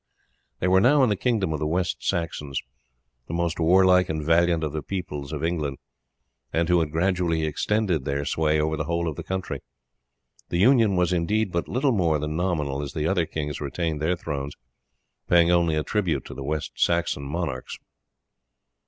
They were now in the kingdom of the West Saxons, the most warlike and valiant of the peoples of England, and who had gradually extended their sway over the whole of the country. The union was indeed but little more than nominal, as the other kings retained their thrones, paying only a tribute to the West Saxon monarchs.